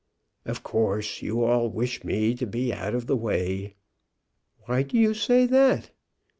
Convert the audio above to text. "Of course you all wish me to be out of the way?" "Why do you say that?"